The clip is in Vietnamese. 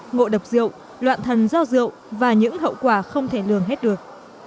ngộ độc rượu loạn thần do rượu và những hậu quả không thể lường hết được